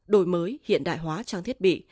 đổi mới hiện đại hóa trang thiết bị